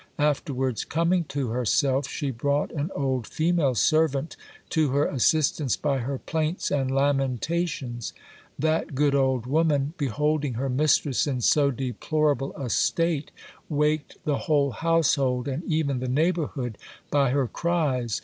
Afterwards, coming to herself, she brought an old female servant to her assistance by her plaints and lamentations. That good old woman, beholding her mistress in so deplorable a state, waked the whole household and even the neighbourhood by her cries.